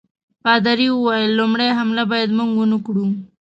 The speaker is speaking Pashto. پادري وویل لومړی حمله باید موږ ونه کړو.